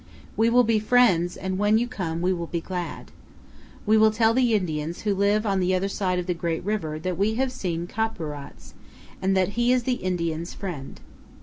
We will be friends and when you come we will be glad. We will tell the Indians who live on the other side of the great river that we have seen Ka'purats, and that he is the Indians' friend.